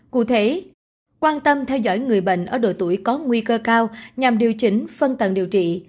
cụ thể quan tâm theo dõi người bệnh ở độ tuổi có nguy cơ cao nhằm điều chỉnh phân tầng điều trị